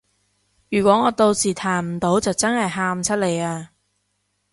如果我到時彈唔到就真係喊出嚟啊